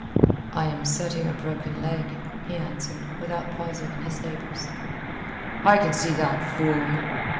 "I am setting a broken leg," he answered, without pausing in his labours. "I can see that, fool."